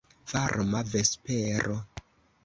Varma vespero.